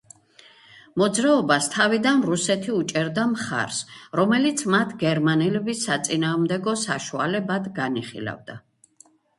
მოძრაობას თავიდან რუსეთი უჭერდა მხარს, რომელიც მათ გერმანელების საწინააღმდეგო საშუალებად განიხილავდა.